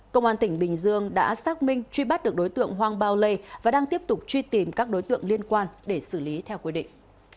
công an tỉnh bình dương đã xác minh truy bắt được đối tượng hoàng bao lê và đang tiếp tục truy tìm các đối tượng liên quan để xử lý theo quy định